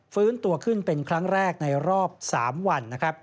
ฟื้นตัวขึ้นเป็นครั้งแรกในรอบ๓วัน